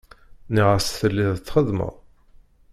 Nniɣ-as telliḍ txeddmeḍ.